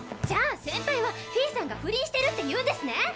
じゃあセンパイはフィーさんが不倫してるって言うんですね